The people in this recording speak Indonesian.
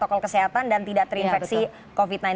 protokol kesehatan dan tidak terinfeksi covid sembilan belas